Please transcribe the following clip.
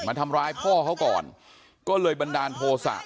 มาทำร้ายพ่อเขาก่อนก็เลยบันดาลโทษะ